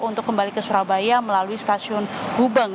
untuk kembali ke surabaya melalui stasiun gubeng